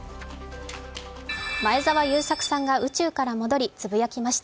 前澤友作さんが宇宙から戻り、つぶやきました。